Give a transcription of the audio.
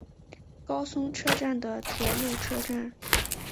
高松车站的铁路车站。